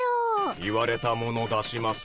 言われたもの出します。